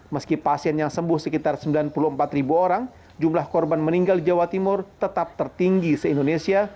meski pasien yang sembuh sekitar sembilan puluh empat ribu orang jumlah korban meninggal di jawa timur tetap tertinggi se indonesia